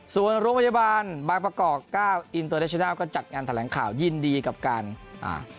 ส่วนโรงพยาบาลบางประกอบเก้าอินเตอร์เนชินัลก็จัดงานแถลงข่าวยินดีกับการอ่า